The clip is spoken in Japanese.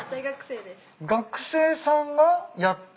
学生さんがやってる？